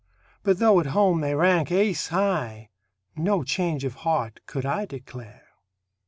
But though at home they rank ace high, No change of heart could I declare.